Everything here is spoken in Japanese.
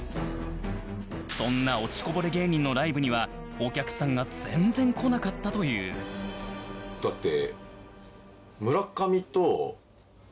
そんな落ちこぼれ芸人のライブにはお客さんが全然来なかったというだって。